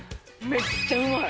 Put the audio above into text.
めっちゃうまい。